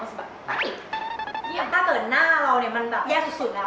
ไม่รู้ว่าวันไหนบีบจะแตกขึ้นมาหรือเปล่า